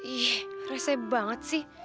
ih resah banget sih